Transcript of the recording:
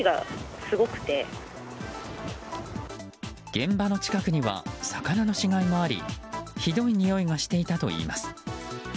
現場の近くには魚の死骸もありひどい臭いがしていたといいます。